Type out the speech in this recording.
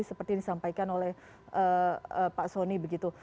seperti yang disampaikan oleh pak soni begitu